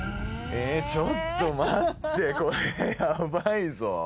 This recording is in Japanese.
えちょっと待ってこれヤバいぞ。